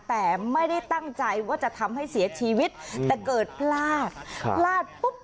แต่ไม่ได้ตั้งใจว่าจะทำให้เสียชีวิตแต่เกิดพลาดพลาดปุ๊บ